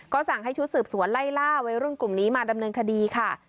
ก็สั่งให้ชุดสืบสวนไล่ล่าวัยรุ่นกลุ่มนี้มาดำเนินคดีค่ะ